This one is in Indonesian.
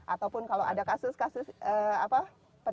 ataupun kalau ada kasus kasus apa